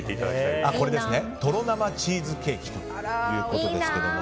とろ生チーズケーキということですけれども。